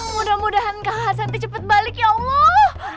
mudah mudahan kak hasan di cepet balik ya allah